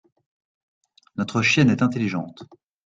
Notre chienne est intelligente.